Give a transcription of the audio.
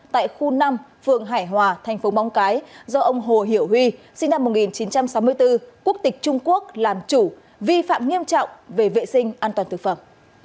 tại khu năm phường hải hòa thành phố móng cái do ông hồ hiểu huy sinh năm một nghìn chín trăm sáu mươi bốn quốc tịch trung quốc làm chủ vi phạm nghiêm trọng về vệ sinh an toàn thực phẩm